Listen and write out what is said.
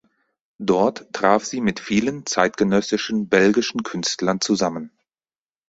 Dort traf sie mit vielen zeitgenössischen belgischen Künstlern zusammen.